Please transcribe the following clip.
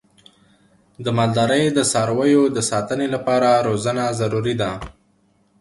د مالدارۍ د څارویو د ساتنې لپاره روزنه ضروري ده.